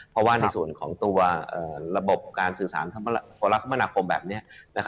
เพราะว่าในส่วนของตัวระบบการสื่อสารธรรมนาคมแบบนี้